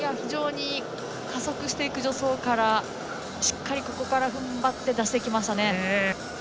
加速していく助走からしっかりここから踏ん張って出してきましたね。